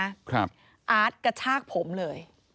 อาร์ตกระชากผมเลย